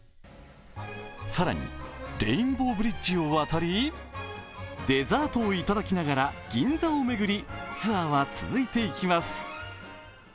更に、レインボーブリッジを渡りデザートをいただきながら銀座を巡りツアーは続いていきます。